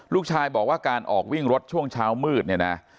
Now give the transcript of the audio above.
ลูกชายบอกว่าการออกวิ่งรถช่วงเช้ามืดเนี่ยนะ